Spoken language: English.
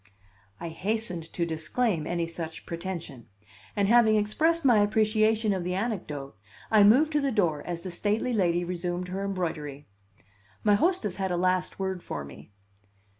I hastened to disclaim any such pretension; and having expressed my appreciation of the anecdote, I moved to the door as the stately lady resumed her embroidery. My hostess had a last word for me.